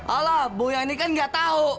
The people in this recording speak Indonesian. alah bu yani kan nggak tahu